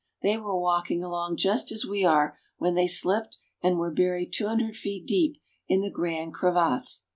They were walking along just as we are, when they slipped and were buried two hundred feet deep in the Grande Crevasse.